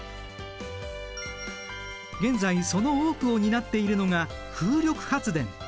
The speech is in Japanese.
現在その多くを担っているのが風力発電。